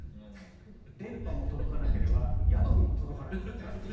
電波も届かなければ宿にも届かない。